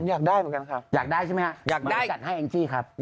อยากได้เหรอครับ